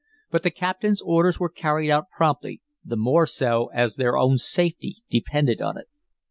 But the captain's orders were carried out promptly, the more so as their own safety depended upon it.